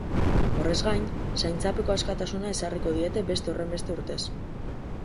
Horrez gain, zaintzapeko askatasuna ezarriko diete beste horrenbeste urtez.